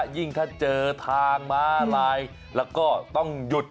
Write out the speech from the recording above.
ยิ่งถ้าเจอทางม้าลายแล้วก็ต้องหยุด